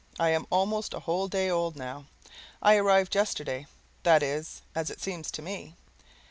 I am almost a whole day old, now. I arrived yesterday. That is as it seems to me.